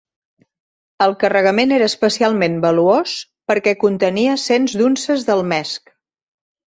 El carregament era especialment valuós perquè contenia cents d'unces d'almesc